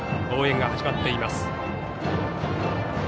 応援が始まっています。